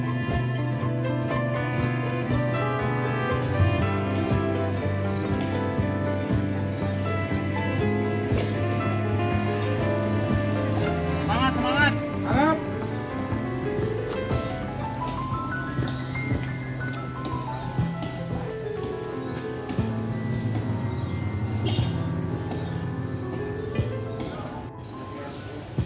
besar baru atau tidak